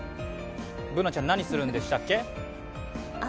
Ｂｏｏｎａちゃん、何するんでしたっけ？